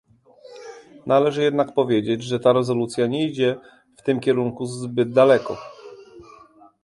Należy jednak powiedzieć, że ta rezolucja nie idzie w tym kierunku zbyt daleko